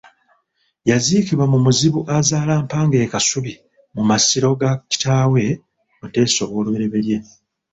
Yaziikibwa mu Muzibu-azaala-Mpanga e Kasubi mu masiro ga kitaawe Mutesa I.